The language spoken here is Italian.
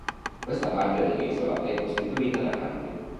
Questa parte dell'isola è costituita da campi.